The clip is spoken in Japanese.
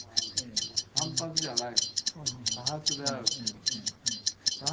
単発じゃない。